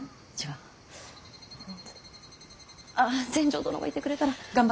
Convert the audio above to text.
ああ全成殿がいてくれたら。